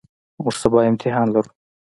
موږ سبا امتحان لرو.